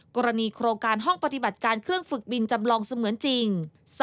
กรณีโครงการห้องปฏิบัติการเครื่องฝึกบินจำลองเสมือนจริง